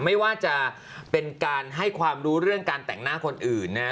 ไม่ว่าจะเป็นการให้ความรู้เรื่องการแต่งหน้าคนอื่นนะฮะ